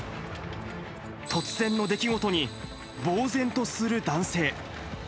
突然の出来事に、ぼう然とする男性。